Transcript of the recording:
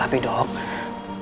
tapi dok dokter tenang dulu